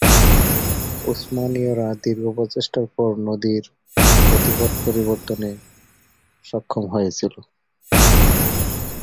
উসমানীয়রা দীর্ঘ প্রচেষ্টার পর নদীর গতিপথ পরিবর্তনে সক্ষম হয়েছিল।